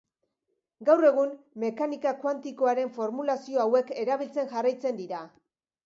Gaur egun, mekanika kuantikoaren formulazio hauek erabiltzen jarraitzen dira.